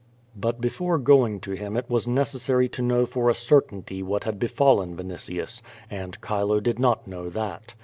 But before going to him it was necesssary to know for a certainty what had befallen Vinitius, and ('hilo did not know that.